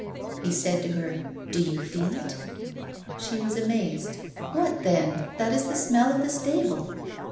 He said to her: "Do you feel it?" She was amazed: "What then? That is the smell of the stable."